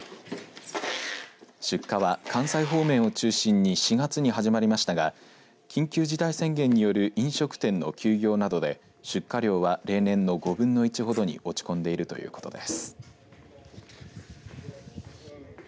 出荷は、関西方面を中心に４月に始まりましたが緊急事態宣言による飲食店の休業などで出荷量は例年の５分の１ほどに落ち込んでいるということです。